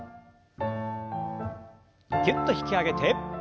ぎゅっと引き上げて。